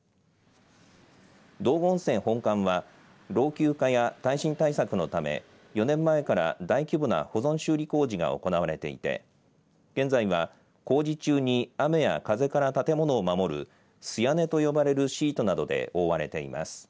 道後温泉本館は老朽化や耐震対策のため４年前から大規模な保存修理工事が行われていて現在は工事中に雨や風から建物を守る素屋根と呼ばれるシートなどで覆われています。